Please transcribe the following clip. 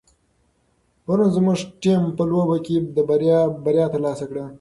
پرون زموږ ټیم په لوبه کې بریا ترلاسه کړه.